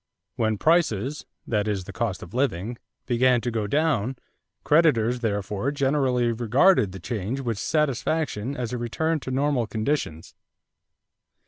When prices that is, the cost of living began to go down, creditors therefore generally regarded the change with satisfaction as a return to normal conditions.